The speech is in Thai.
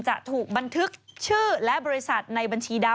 จะถูกบันทึกชื่อและบริษัทในบัญชีใด